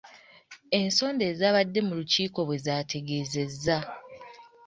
Ensonda ezaabadde mu lukiiko bwe zaategeezezza.